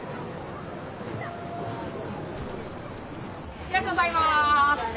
ありがとうございます。